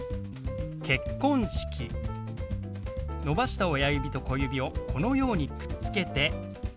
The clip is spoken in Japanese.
伸ばした親指と小指をこのようにくっつけて。